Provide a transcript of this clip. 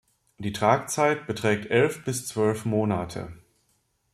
Die Tragzeit beträgt elf bis zwölf Monate.